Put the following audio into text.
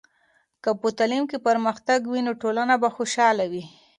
که په تعلیم کې پرمختګ وي، نو ټولنه به خوشحاله وي.